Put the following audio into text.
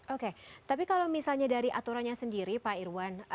oke tapi kalau misalnya dari aturannya sendiri pak irwan